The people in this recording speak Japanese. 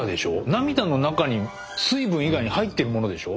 涙の中に水分以外に入ってるものでしょ？